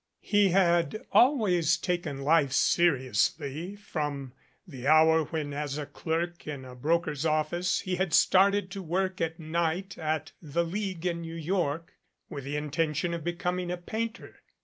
He had always taken life seriously, from the hour when as a clerk in a broker's office he had started to work at night at the League in New York, with the inten tion of becoming a painter.